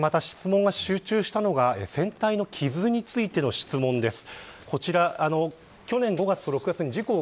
質問が集中したのが船体の傷についての質問です。